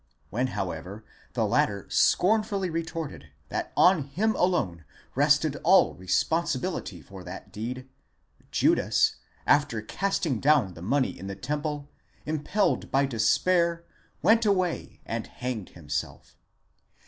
When however the latter scornfully retorted that on him alone rested all responsibility for that deed, Judas, after casting down the money in the temple, impelled by despair, went away and hanged himself.